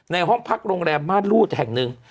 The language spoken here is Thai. ในห้องพักโรงแรมมารูดแห่งนึง